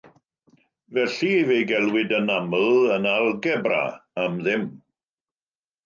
Felly, fe'i gelwid yn aml yn algebra am ddim.